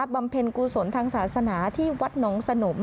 เพ็ญกุศลทางศาสนาที่วัดหนองสนม